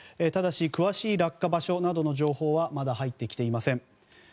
ただし、詳しい落下場所などの情報はまだ入ってきていません。